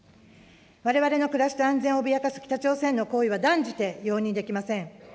われわれの暮らしと安全を脅かす北朝鮮の行為は断じて容認できません。